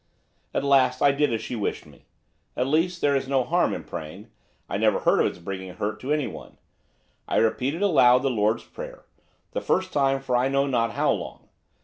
At last I did as she wished me. At least, there is no harm in praying, I never heard of its bringing hurt to anyone. I repeated aloud the Lord's Prayer, the first time for I know not how long.